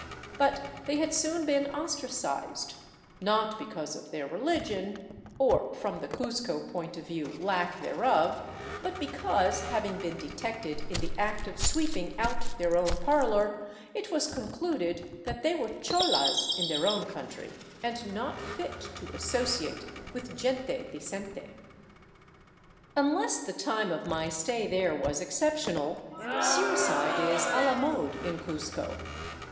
But they had soon been ostracized, not because of their religion — or, from the Cuzco point of view, lack thereof — but because, having been detected in the act of sweeping out their own parlor, it was concluded that they were cholas in their own country and not fit to associate with gente decente. Unless the time of my stay there was exceptional, suicide is a la mode in Cuzco.